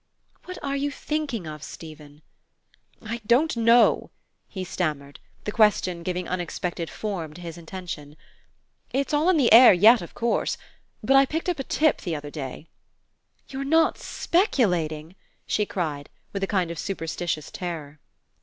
"What are you thinking of, Stephen?" "I don't know," he stammered, the question giving unexpected form to his intention. "It's all in the air yet, of course; but I picked up a tip the other day " "You're not speculating?" she cried, with a kind of superstitious terror.